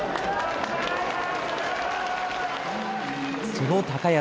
その高安。